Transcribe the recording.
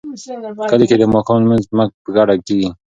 په کلي کې د ماښام لمونځ په ګډه کیږي.